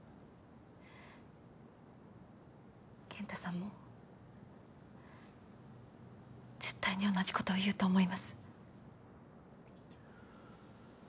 健太さんも絶対に同じことを言うと思います。